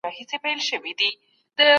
بهرنی سیاست پانګونې جذبوي.